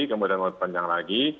kemudian diperpanjang lagi